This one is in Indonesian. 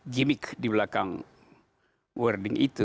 gimmick di belakang wording itu